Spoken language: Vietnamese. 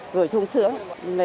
rồi sung sữa